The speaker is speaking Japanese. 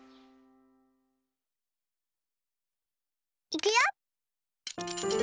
いくよ！